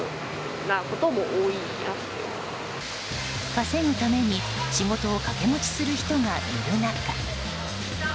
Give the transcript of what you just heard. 稼ぐために仕事を掛け持ちする人がいる中。